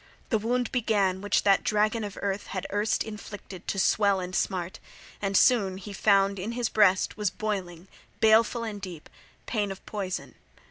The wound began, which that dragon of earth had erst inflicted, to swell and smart; and soon he found in his breast was boiling, baleful and deep, pain of poison.